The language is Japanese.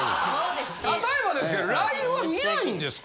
例えばですけどＬＩＮＥは見ないんですか？